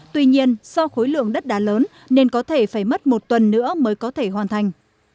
tuy nhiên do khối lượng đất đá lớn nên có thể phải mất một tuần nữa mới có thể hoàn thành